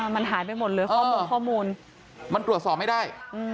มันหายไปหมดเหลือข้อมูลมันตรวจสอบไม่ได้